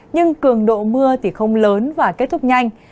nhưng cường độ mưa thì không lớn và kết thúc nhanh